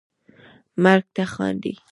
مرګ ته خاندي